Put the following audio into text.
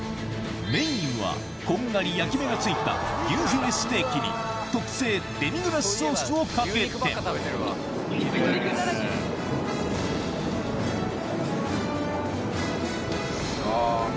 メインはこんがり焼き目がついた牛フィレステーキに特製デミグラスソースをかけてあ。